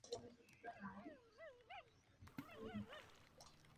Además cuenta con un tren que hace un pequeño recorrido por las instalaciones.